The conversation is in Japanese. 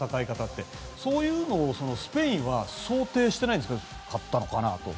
そういうのを、スペインは想定していなかったのかなと。